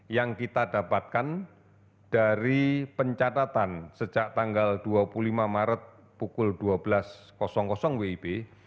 yang kita dapatkan dari pencatatan sejak tanggal dua puluh lima maret pukul dua belas wib